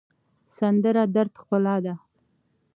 سندره د دَرد ښکلا ده